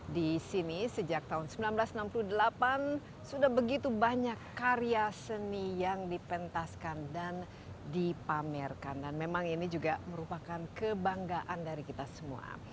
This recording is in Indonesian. di sini sejak tahun seribu sembilan ratus enam puluh delapan sudah begitu banyak karya seni yang dipentaskan dan dipamerkan dan memang ini juga merupakan kebanggaan dari kita semua